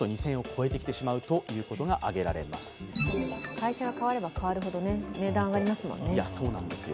会社が変われば変わるほど、値段が上がりますもんね。